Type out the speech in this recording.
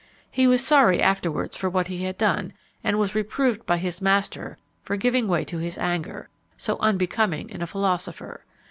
He was sorry afterwards for what he had done, and was reproved by his master for giving way to his anger, so unbecoming in a philosopher.